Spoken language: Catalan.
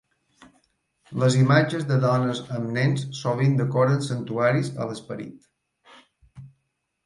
Les imatges de dones amb nens sovint decoren santuaris a l'esperit.